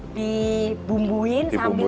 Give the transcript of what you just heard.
dibumbuin sambil dimasak ya